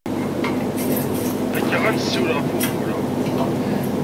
Azekka ad nessiwel ɣef wugur-a.